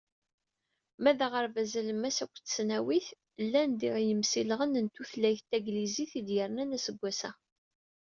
Ma d aɣerbaz alemmas akked tesnawit, llan diɣ yimsilɣen n tutlayt taglizit, i d-yernan aseggas-a.